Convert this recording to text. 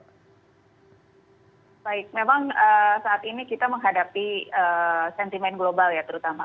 baik memang saat ini kita menghadapi sentimen global ya terutama